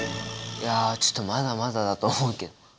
いやちょっとまだまだだと思うけど。